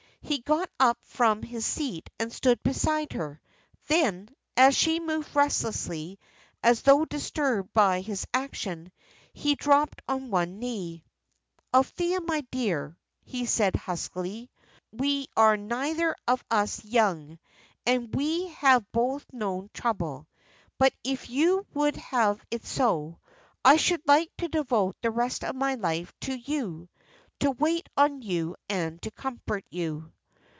He got up from his seat and stood beside her. Then, as she moved restlessly, as though disturbed by his action, he dropped on one knee. "Althea, my dear," he said, huskily, "we are neither of us young, and we have both known trouble. But, if you would have it so, I should like to devote the rest of my life to you, to wait on you, and to comfort you."